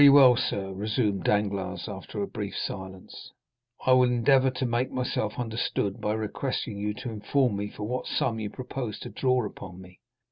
"Well, sir," resumed Danglars, after a brief silence, "I will endeavor to make myself understood, by requesting you to inform me for what sum you propose to draw upon me?"